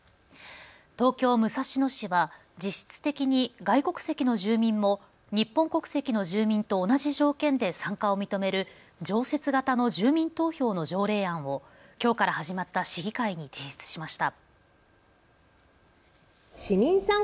東京武蔵野市は実質的に外国籍の住民も日本国籍の住民と同じ条件で参加を認める常設型の住民投票の条例案をきょうから始まった市議会に提出しました。